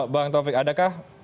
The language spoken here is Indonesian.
bang taufik adakah ini terjadi